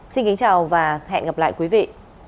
xin kính chào và hẹn gặp lại quý vị